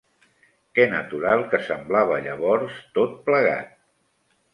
Que natural que semblava, llavors, tot plegat